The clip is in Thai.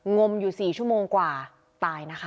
งมอยู่๔ชั่วโมงกว่าตายนะคะ